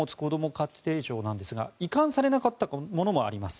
家庭庁なんですが移管されなかったものもあります。